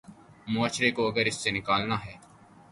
معاشرے کو اگر اس سے نکالنا ہے۔